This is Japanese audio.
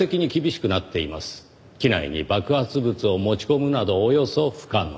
機内に爆発物を持ち込むなどおよそ不可能。